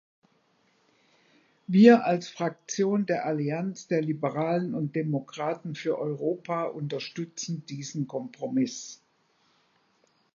Wir als Fraktion der Allianz der Liberalen und Demokraten für Europa unterstützen diesen Kompromiss.